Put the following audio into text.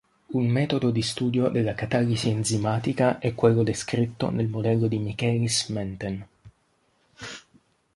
Un metodo di studio della catalisi enzimatica è quello descritto nel modello di Michaelis-Menten.